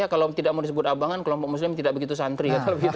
kalau tidak mau disebut abangan kelompok muslim tidak begitu santri